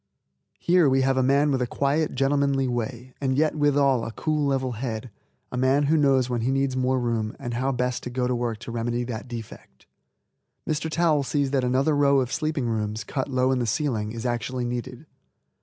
Here we have a man with a quiet, gentlemanly way, and yet withal a cool, level head, a man who knows when he needs more room and how best to go to work to remedy that defect. Mr. Towel sees that another row of sleeping rooms, cut low in the ceiling, is actually needed.